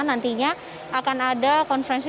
nantinya akan ada konferensi